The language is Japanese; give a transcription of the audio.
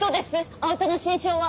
青田の心証は。